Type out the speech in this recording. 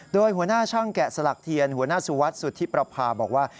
โดยหัวหน้าช่างแกะสลักเทียนหัวหน้าสุวัสดิสุทธิประพาบอกว่า